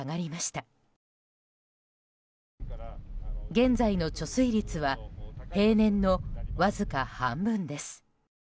現在の貯水率は平年のわずか半分です。